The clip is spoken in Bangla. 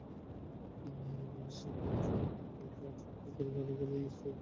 এগুলি আংশিকভাবে শুধুমাত্র রাজকীয় ব্যবহারের জন্য নির্দিষ্ট পূর্ববর্তী পিরামিড লিপি থেকে আহরিত।